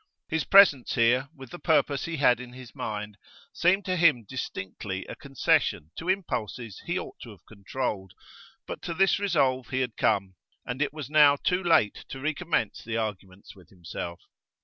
His presence here with the purpose he had in his mind seemed to him distinctly a concession to impulses he ought to have controlled; but to this resolve he had come, and it was now too late to recommence the arguments with himself.